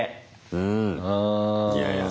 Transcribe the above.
うん。